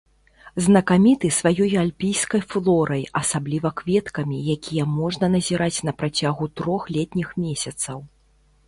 Знакаміты сваёй альпійскай флорай, асабліва кветкамі, якія можна назіраць на працягу трох летніх месяцаў.